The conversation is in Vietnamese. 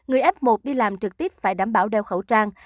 tuy nhiên người f một đi làm trực tiếp phải đảm bảo đeo khẩu trang